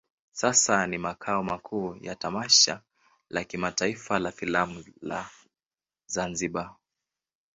Sasa ni makao makuu ya tamasha la kimataifa la filamu la Zanzibar.